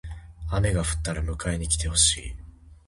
雨が降ったら迎えに来てほしい。